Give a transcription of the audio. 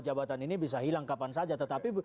jabatan ini bisa hilang kapan saja tetapi